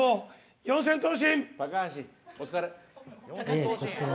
四千頭身。